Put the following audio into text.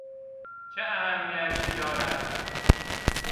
چه اهمیتی دارد؟